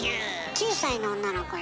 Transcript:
９歳の女の子よ。